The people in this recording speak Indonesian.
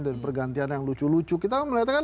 dan pergantian yang lucu lucu kita melihat kan